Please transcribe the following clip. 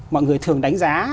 mọi người thường đánh giá